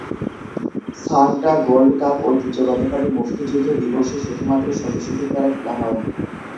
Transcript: Santa gold cup ঐতিহ্যগতভাবে মুষ্টিযুদ্ধ দিবসে শুধুমাত্র সদস্যদের দ্বারা খেলা হয়।